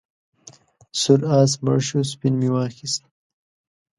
سور آس مړ شو سپین مې واخیست.